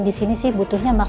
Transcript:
disini sih butuhnya makanan